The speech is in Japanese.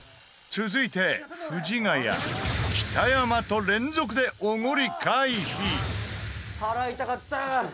続いて、藤ヶ谷、北山と連続でおごり回避北山：払いたかった！